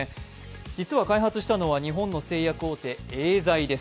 実は開発したのは日本の製薬大手、エーザイです。